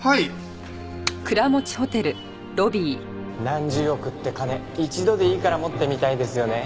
何十億って金一度でいいから持ってみたいですよね。